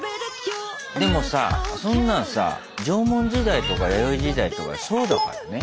でもさそんなんさ縄文時代とか弥生時代とかそうだからね。